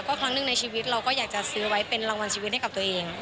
ครั้งหนึ่งในชีวิตเราก็อยากจะซื้อไว้เป็นรางวัลชีวิตให้กับตัวเอง